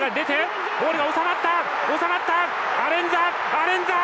アレンザ！